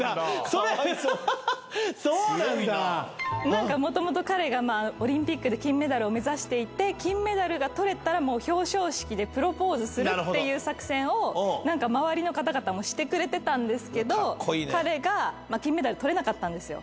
何かもともと彼がオリンピックで金メダルを目指していて金メダルが取れたら表彰式でプロポーズするっていう作戦を周りの方々もしてくれてたんですけど彼が金メダル取れなかったんですよ